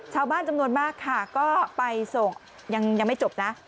ชาวบ้านจำนวนมากค่ะก็ไปส่งยังไม่จบนะ